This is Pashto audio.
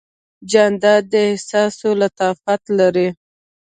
جانداد د احساساتو لطافت لري.